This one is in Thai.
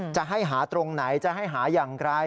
จะให้หาตรงไหนจะให้หาอย่างไร